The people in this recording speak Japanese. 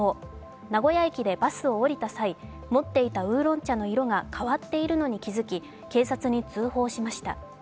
名古屋駅でバスを降りた際、持っていたウーロン茶の色が変わっているのに気づき警察に通報しました。